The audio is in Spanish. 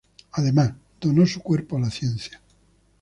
Además donó su cuerpo a la ciencia.